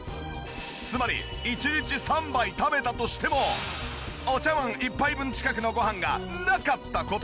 つまり１日３杯食べたとしてもお茶わん１杯分近くのごはんがなかった事に！